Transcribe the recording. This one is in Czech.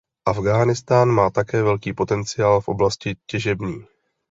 Afghánistán má také velký potenciál v oblasti těžební.